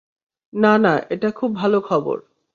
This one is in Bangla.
না, না, এটা খুব ভালো খবর।